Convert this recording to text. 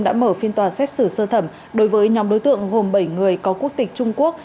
đã mở phiên tòa xét xử sơ thẩm đối với nhóm đối tượng gồm bảy người có quốc tịch trung quốc